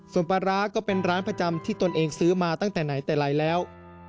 ส่วนปลาร้าก็เป็นร้านประจำที่ตนเองซื้อมาตั้งแต่ไหนแต่ไรแล้ว